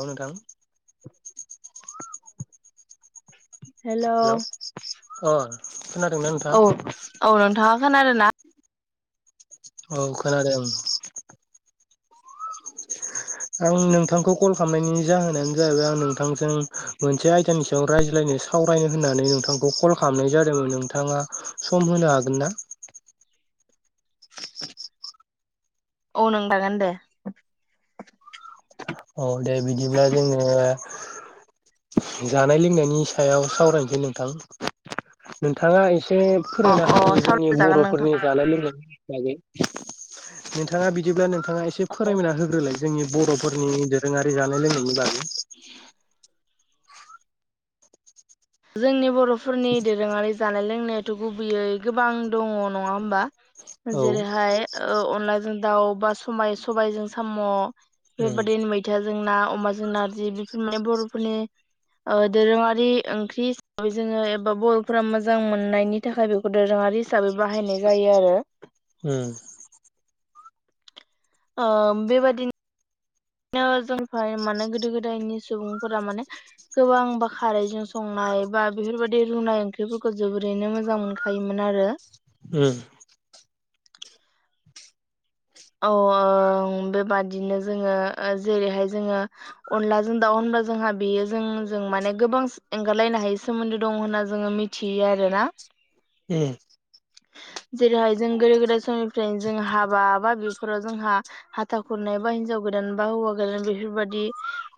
औ नोंथां। Hello hello अ। खोनादोंना नोंथाङा औ औ नोंथाङा खोनादों ना? औ खोनादों। आं नोंथांखौ कल खालामनायनि जाहोनानो जाहैबाय आं नोंथांजों मोनसे आयदानि सायाव रायज्लायनो सावरायनो होननानै नोंथांखौ कल खालामनाय जादोंमोन नोंथाङा सम होनो हागोन ना? [inaudible] औ नों लागोन दे। औ दे बिदिब्ला जोङो जानाय लोंनायनि सायाव सावरायनोसै नोंथां। नोंथाङा ए से अ फोरायना हायो अ जोंनि सावरायजागोन नोंथां बर'फोरनि जानाय लोंनाय नि बागै। नोंथाङा बिदिब्ला नोंथाङा एसे फोरायमायना होग्रोलाय जोंनि बर'फोर नि दोरोङारि जानाय लोंनायनि बागै। जोंनि बर'फोरनि दोरोङारि जानाय लोंनाय थ' गुबैयै गोबां दंङ नङा होमबा? औ जेरैहाय ओ अनलाजों दाउ बा समाय सबायजों साम' उम बेबायादिनो मैथाजों ना। अमा जों नारजि बेफोर माने बर'फोरनि ओ दोरोङारि ओंख्रि हिसाबै जोङो एबा बर'फोरा मोजां मोननायनि थाखाय बेखौ दोरोङारि हिसाबै बाहायनाय जायो। आरो। उम। ओ बेबादि नो जों माने गोदो गोदायनि सुबुंफोरा माने गोबांबा खारैजों सं नाय बा बेफोरबायदि रुनाय ओंख्रिफोरखौ जोबोरैनो मोजां मोनखायोमोन आरो। उम। औ ओ बेबादिनो जोङो जेरैहाय जोङो अनलाजों दाउ जोंहा बेयो जों जों माने गोबां एंगारलायनो हायै सोमोन्दो दं होनना जोङो मिथियो आरोना। उम। जेरैहाय जों गोदो गोदाय समनिफ्रायनो जों हाबा बा बे फोराव जोंहा हाथा खुरनाय बा हिनजाव गोदान बा हौवा गोदान बेफोरबादि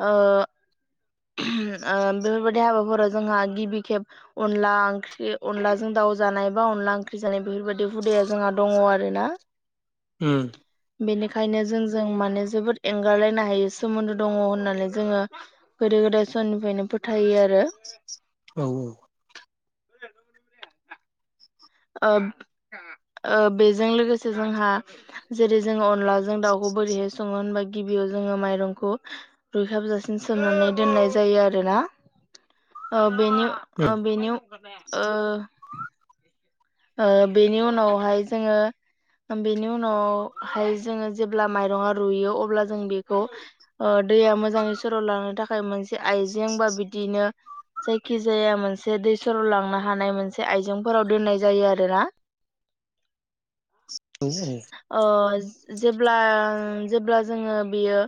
ओ ओ बेफोरबायदि हाबाफोराव जोंहा गिबि खेब अनला ओंख्रि अनलाजों दाउ जानाय बा अनला ओंख्रि जानाय बेफोरबायाददि हुदाया जोंहा दङ आरो ना। उम। बेनिखायनो जोंजों माने जोबोद एंगारलायनो हायो सोमोन्दो दङ होननानै जोङो गोदो गोदाय समनिफ्रायनो फोथायो आरो। औ औ। [inaudible] ओ ओ बेजों लोगोसे जोंहा जेरै जोङो अनलाजों दाउखौ बोरैहाय सङो होनबा गिबियाव जोङो माइरंखौ रुइहाबजासिन सोमनानै दोननाय जायो आरोना। ओ बेनि ओ बेनि ओ ओ बेनि उनावहाय जोङो बेनि उनावहाय जोङो जेब्ला माइरङा रुयो अब्ला जों बेखौ ओ दैया मोजाङै सर' लांनो थाखाय मोनसे आइजें बा बिदिनो जायखि जाया मोनसे दै सर'लांनो हानाय मोनसे आयजेंफोराव दोननाय जायो आरोना। औ अ जेब्ला जेब्ला जोङो बियो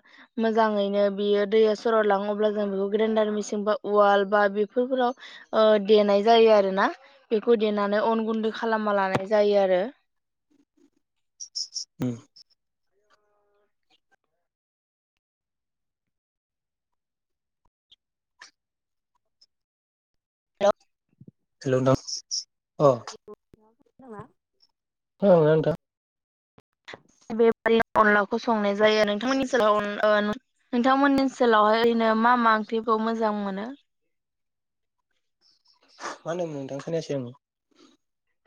मोजाङैनो बियो दैया सर' लाङो अब्ला जों बेखौ ग्रेन्डार मेसिन बा वाल बा बेफोरफोराव ओ देनाय जायो आरोना बेखौ देनानै अन गुन्दै खालामना लानाय जायो आरो। उम। औ। हेलौ नोंथां अ। [unintelligible] [unintelligible] [inaudible] बेबादि अनलाखौ संनाय जायो नोंथांमोननि सोलाव ओ नोंथांमोननि सोलावहाय ओरैनो मा मा ओंख्रिखौ मोजां मोनो? मा होनदों नोंथां? खोनायाखै आं।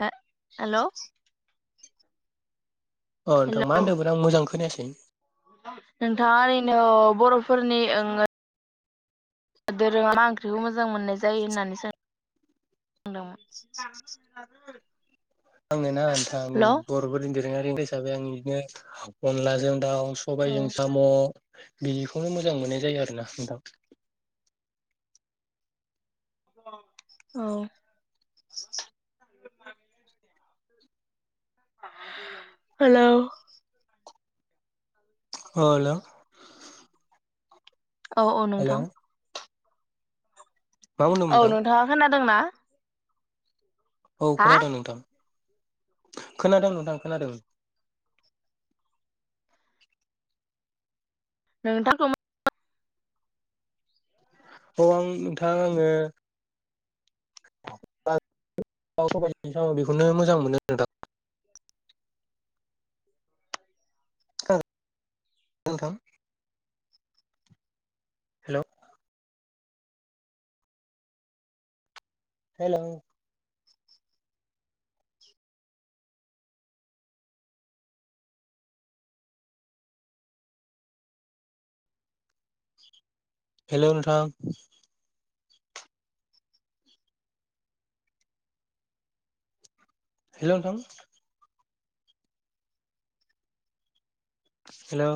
हे हेल'। अ नोंथां हेल' मा होन्दोंमोन आं मोजां खोनायासै। नोंथाङा ओरैनो बर'फोरनि ओं धोरोमा ओंख्रिखौ मोजां मोननाय जायो होननानै सोंदोंमोन। [unintelligible] आङो ना नोंथां हेल' औ बर'फोरनि दोरोङारि हिसाबै आं बिदिनो अनलाजों दाव सबायजों साम' बिदिखौनो मोजां मोननाय जायो आरोना नोंथां। औ। [unintelligible] हेलौ। औ हेल'। औ औ हेल' नोंथां। मा बुंदों औ नोंथां नोंथाङा खोनादोंना? औ हा खोनादों नोंथां। खोनादों नोंथां खोनादों। नोंथांखौ औ आं नोंथां आङो [unintelligible] आं बेखौनो मोजां मोनो नोंथां। खोनादों नोंथां। हेल'। हेलौ हेलौ नोंथां। हेल' नोंथां। हेलौ